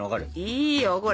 いいよこれ。